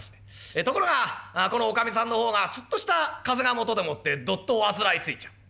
ところがこのおかみさんの方がちょっとした風邪がもとでもってどっと患いついちゃう。